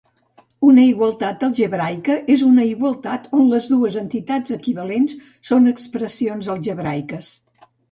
Una igualtat algebraica és una igualtat on les dues entitats equivalents són expressions algebraiques.